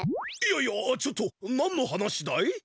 いやいやちょっとなんの話だい？